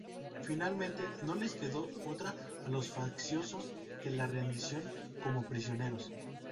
Finalmente no les quedó otra a los facciosos que la rendición como prisioneros.